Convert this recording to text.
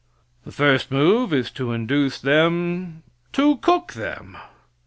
The first move is to induce them to cook them.